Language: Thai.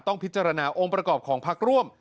ต้องพิจารณาองค์ประกอบของพักร่วม